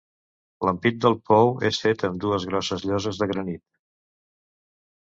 L'ampit del pou és fet amb dues grosses lloses de granit.